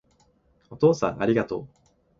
お父さんありがとう